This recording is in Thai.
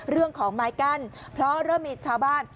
เรื่องของไม้กั้นเพราะเริ่มมีชาวบ้าน